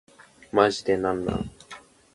マジでなんなん